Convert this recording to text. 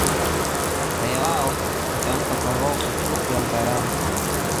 Raia wao hutamka kwa hofu chuki au dharau